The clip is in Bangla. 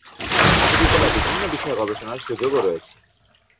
বিশ্ববিদ্যালয়ে বিভিন্ন বিষয় গবেষণার সুযোগও রয়েছে।